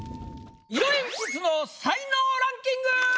色鉛筆の才能ランキング！